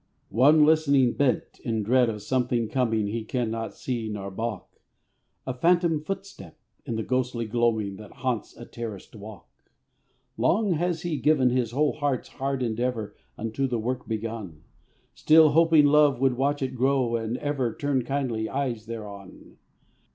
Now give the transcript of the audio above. One listening bent, in dread of something coming, He can not see nor balk A phantom footstep, in the ghostly gloaming, That haunts a terraced walk. Long has he given his whole heart's hard endeavor Unto the work begun, Still hoping love would watch it grow and ever Turn kindly eyes thereon.